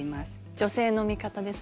女性の味方ですね。